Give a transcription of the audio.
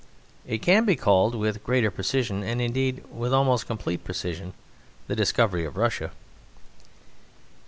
It can be called with greater precision, and indeed with almost complete precision, the discovery of Russia.